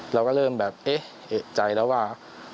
เราก็เริ่มแบบเอ๊ะเอกใจแล้วว่า